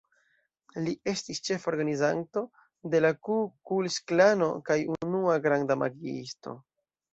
Li estis ĉefa organizanto de la Ku-Kluks-Klano kaj unua „granda magiisto”.